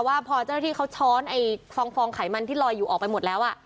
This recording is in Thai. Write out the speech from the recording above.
ว่าพอเจ้าหน้าที่เขาช้อนไอ้ฟองไขมันที่ลอยอยู่ออกไปหมดแล้ว